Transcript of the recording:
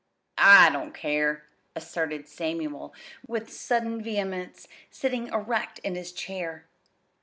"I don't care," asserted Samuel with sudden vehemence, sitting erect in his chair.